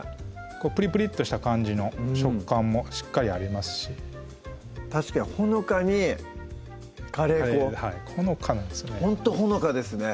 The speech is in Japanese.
プリプリッとした感じの食感もしっかりありますし確かにほのかにカレー粉ほのかなんですよね